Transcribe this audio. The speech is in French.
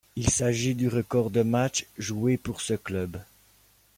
Il s'agit du record de matchs joués pour ce club.